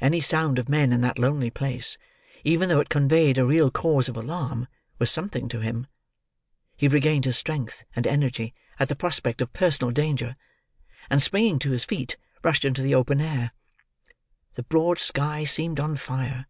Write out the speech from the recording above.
Any sound of men in that lonely place, even though it conveyed a real cause of alarm, was something to him. He regained his strength and energy at the prospect of personal danger; and springing to his feet, rushed into the open air. The broad sky seemed on fire.